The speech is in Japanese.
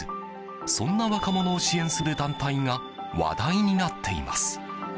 そんな若者を支援する団体が話題になっています。